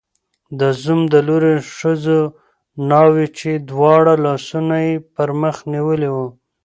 د زوم د لوري ښځو ناوې، چې دواړه لاسونه یې پر مخ نیولي وو